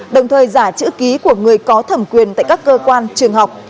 đồng thời giả chữ ký của người có thẩm quyền tại các cơ quan trường học